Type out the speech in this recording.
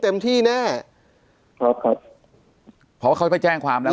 เต็มที่แน่ครับครับเพราะว่าเขาไปแจ้งความแล้ว